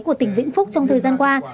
của tỉnh vĩnh phúc trong thời gian qua